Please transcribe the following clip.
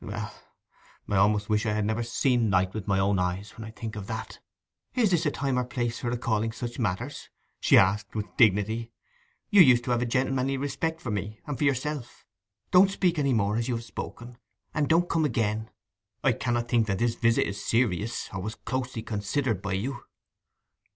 Well—I almost wish I had never seen light with my own eyes when I think of that!' 'Is this a time or place for recalling such matters?' she asked, with dignity. 'You used to have a gentlemanly respect for me, and for yourself. Don't speak any more as you have spoken, and don't come again. I cannot think that this visit is serious, or was closely considered by you.